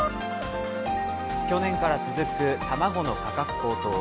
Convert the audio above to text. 去年から続く、卵の価格高騰。